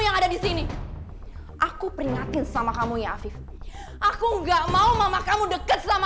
yang ada di sini aku peringatin sama kamu ya afif aku enggak mau mama kamu deket sama